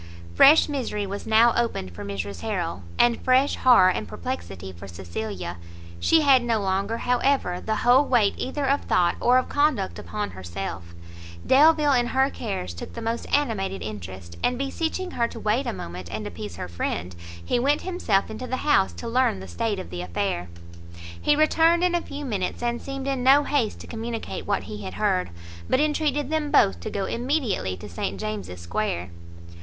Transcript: Fresh misery was now opened for Mrs Harrel, and fresh horror and perplexity for Cecilia; she had no longer, however, the whole weight either of thought or of conduct upon herself; Delvile in her cares took the most animated interest, and beseeching her to wait a moment and appease her friend, he went himself into the house to learn the state of the affair. He returned in a few minutes, and seemed in no haste to communicate what he had heard, but entreated them both to go immediately to St James's square.